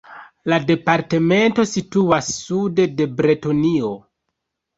La departemento situas sude de Bretonio.